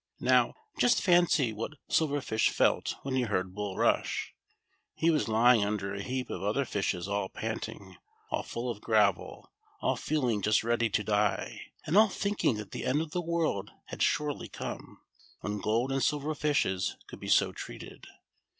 Now, just fancy what Silver Fish felt when he heard Bulrush. He was lying under a heap of other fishes all panting, all full of gravel, all feeling just ready to die, and all thinking that the end of the world had surely come, when gold and silver fishes could be so treated.